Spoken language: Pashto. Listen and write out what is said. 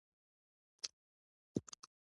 والي دفتر څخه مېلمستون ته روان و.